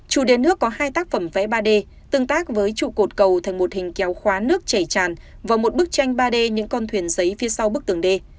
chủ đề nước có hai tác phẩm vẽ ba d tương tác với trụ cột cầu thành một hình kéo khóa nước chảy tràn và một bức tranh ba d những con thuyền giấy phía sau bức tường đê